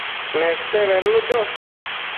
Neste bednu cho